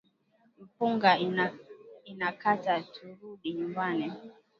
Mupanga ina ni kata turudi nyumbani